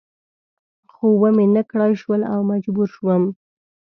خو و مې نه کړای شول او مجبور شوم.